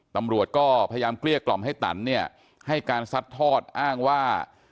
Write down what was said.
ตำรวจก็พยายามเกลี้ยกล่อมให้ตันเนี่ยให้การซัดทอดอ้างว่า